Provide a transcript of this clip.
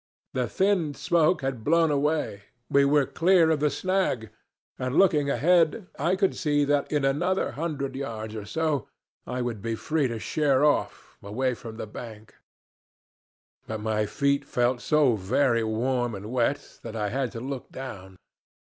The thin smoke had blown away, we were clear of the snag, and looking ahead I could see that in another hundred yards or so I would be free to sheer off, away from the bank; but my feet felt so very warm and wet that I had to look down.